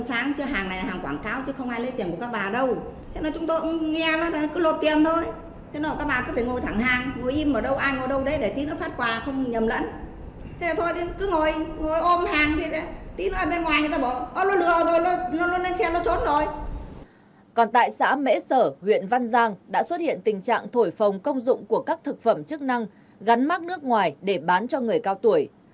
xã mễ sở huyện văn giang đã xuất hiện tình trạng thổi phồng công dụng của các thực phẩm chức năng gắn mắt nước ngoài để bán cho người cao tuổi